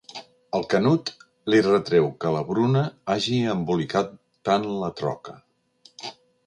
El Canut li retreu que la Bruna hagi embolicat tant la troca.